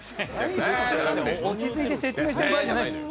落ち着いて説明してる場合じゃないです。